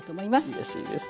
うれしいです。